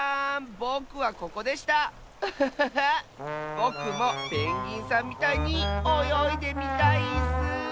ぼくもペンギンさんみたいにおよいでみたいッス。